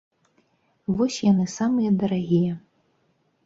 Вось яны самыя дарагія.